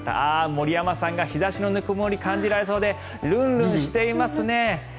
森山さんが日差しのぬくもりを感じられそうでルンルンしていますね。